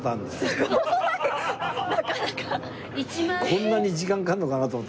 こんなに時間かかんのかなと思った。